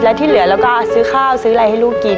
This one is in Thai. แล้วที่เหลือเราก็ซื้อข้าวซื้ออะไรให้ลูกกิน